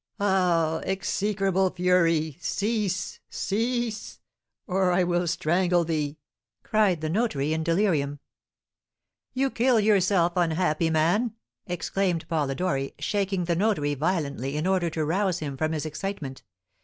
Ah, execrable fury, cease, cease, or I will strangle thee!" cried the notary, in delirium. "You kill yourself, unhappy man!" exclaimed Polidori, shaking the notary violently, in order to rouse him from his excitement.